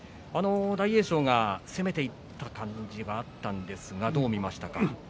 大栄翔が攻めていったような感じはあったんですがどう見ましたか。